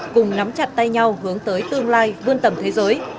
cùng nắm chặt tay nhau hướng tới tương lai vươn tầm thế giới